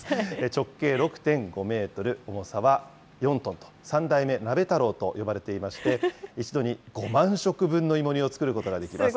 直径６．５メートル、重さは４トンと、３代目鍋太郎と呼ばれていまして、一度に５万食分の芋煮を作ることができます。